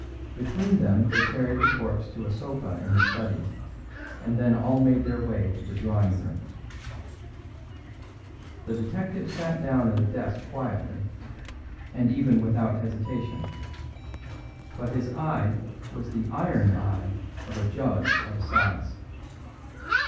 Between them they carried the corpse to a sofa in the study, and then all made their way to the drawing room. The detective sat down at a desk quietly, and even without hesitation; but his eye was the iron eye of a judge at assize.